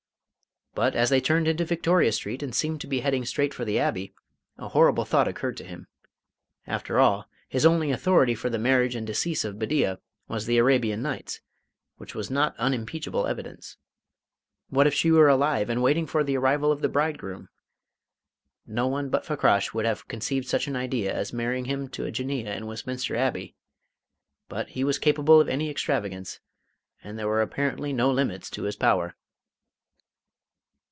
But as they turned into Victoria Street and seemed to be heading straight for the Abbey, a horrible thought occurred to him. After all, his only authority for the marriage and decease of Bedeea was the "Arabian Nights," which was not unimpeachable evidence. What if she were alive and waiting for the arrival of the bridegroom? No one but Fakrash would have conceived such an idea as marrying him to a Jinneeyeh in Westminster Abbey; but he was capable of any extravagance, and there were apparently no limits to his power.